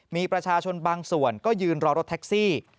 มีประชาชนบางส่วนก็ยืนรอรถแท็กซี่